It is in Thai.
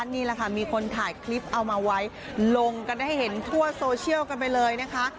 นี่แหละค่ะมีคนถ่ายคลิปเอามาไว้ลงกันได้ให้เห็นทั่วโซเชียลกันไปเลยนะคะ